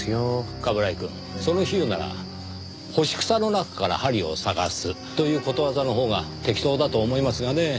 冠城くんその比喩なら「干し草の中から針を探す」ということわざのほうが適当だと思いますがねぇ。